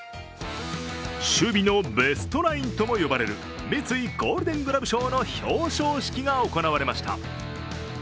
守備のベストナインとも呼ばれる三井ゴールデン・グラブ賞の表彰式が行われました。